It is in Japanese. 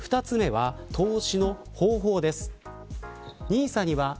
２つ目は投資の方法です。